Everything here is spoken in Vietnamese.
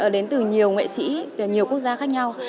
đến từ nhiều nghệ sĩ từ nhiều quốc gia khác nhau